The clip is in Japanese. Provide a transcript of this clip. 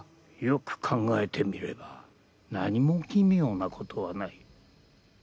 よく考えてみれば何も奇妙なことはない∈